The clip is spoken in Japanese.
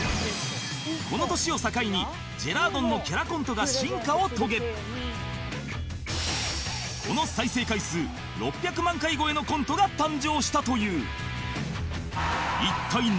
この年を境にジェラードンのキャラコントが進化を遂げこの再生回数６００万回超えのコントが誕生したという